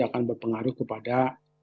akan berpengaruh kepada